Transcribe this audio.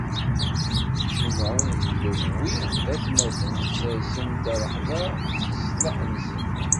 Cimɛun d Lewwi d atmaten, sersen-d rrehba s leslaḥ-nsen.